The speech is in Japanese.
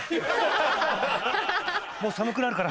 もう寒くなるから。